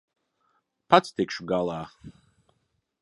Pats tikšu galā.